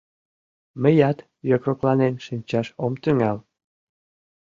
Мыят йокрокланен шинчаш ом тӱҥал».